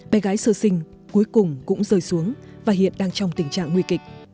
bé gái sơ sinh cuối cùng cũng rơi xuống và hiện đang trong tình trạng nguy kịch